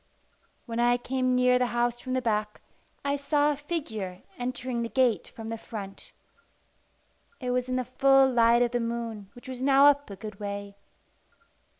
When I came near the house from the back, I saw a figure entering the gate from the front. It was in the full light of the moon, which was now up a good way.